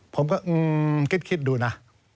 ผมก็คิดดูนะ